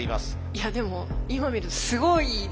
いやでも今見るとすごいですよね